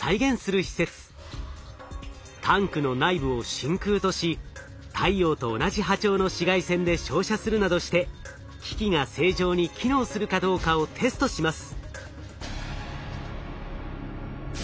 タンクの内部を真空とし太陽と同じ波長の紫外線で照射するなどして機器が正常に機能するかどうかをテストします。